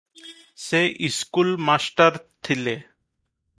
ସେ school master ଥିଲେ ।